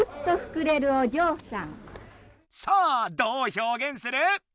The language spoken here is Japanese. さあどう表現する？